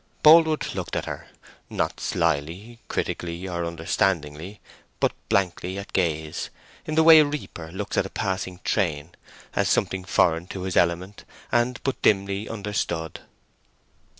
Boldwood looked at her—not slily, critically, or understandingly, but blankly at gaze, in the way a reaper looks up at a passing train—as something foreign to his element, and but dimly understood.